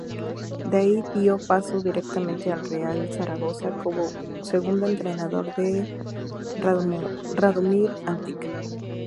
De ahí dio paso directamente al Real Zaragoza, como segundo entrenador de Radomir Antić.